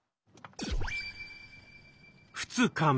２日目。